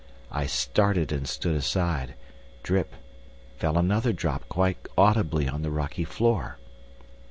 I started and stood aside—drip, fell another drop quite audibly on the rocky floor.